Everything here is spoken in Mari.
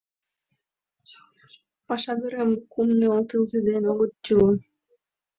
Пашадарым кум-ныл тылзе дене огыт тӱлӧ.